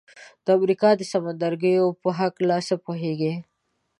د امریکا د سمندرګیو په هکله څه پوهیږئ؟